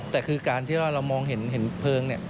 แต่คือการที่เรามองเห็นเห็นเพลิงนี่